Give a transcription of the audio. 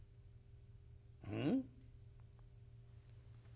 うん？」。